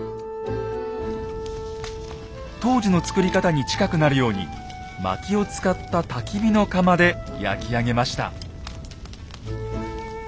当時の作り方に近くなるようにまきを使ったたき火の窯で焼き上げました。